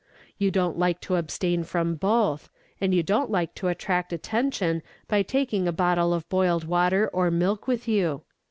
You don't like to abstain from both, and you don't like to attract attention by taking a bottle of boiled water or milk with you.